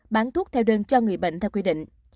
bán thuốc theo đơn cho người bệnh theo quy định